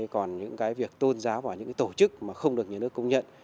còn những cái việc tôn giáo vào những tổ chức mà không được nhà nước công nhận